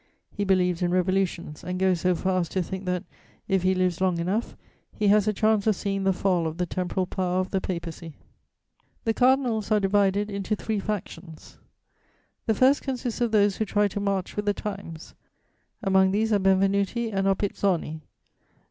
He believes in revolutions, and goes so far as to think that, if he lives long enough, he has a chance of seeing the fall of the temporal power of the Papacy. The cardinals are divided into three factions: The first consists of those who try to march with the times; among these are Benvenuti and Oppizoni.